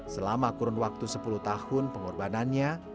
selama kurun waktu sepuluh tahun pengorbanannya